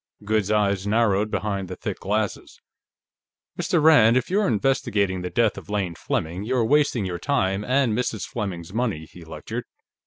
Goode's eyes narrowed behind the thick glasses. "Mr. Rand, if you're investigating the death of Lane Fleming, you're wasting your time and Mrs. Fleming's money," he lectured.